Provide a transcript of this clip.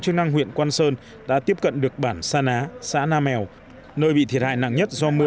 chức năng huyện quang sơn đã tiếp cận được bản sa ná xã nam mèo nơi bị thiệt hại nặng nhất do mưa